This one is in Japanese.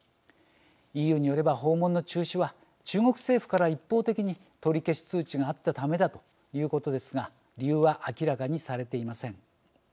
ＥＵによれば訪問の中止は中国政府から一方的に取り消し通知があったためだということですが理由は明らかにされていません。